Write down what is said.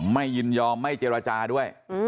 ยินยอมไม่เจรจาด้วย